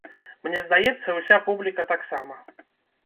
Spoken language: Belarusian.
Мне, здаецца, уся публіка таксама.